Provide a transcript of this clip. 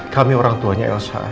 kami orang tuanya elsa